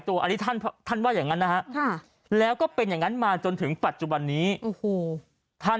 ท่านอย่างนั้นมาจนถึงปัจจุบันนี้โอ้โห